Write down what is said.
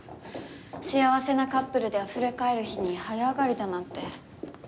幸せなカップルであふれかえる日に早上がりだなんて。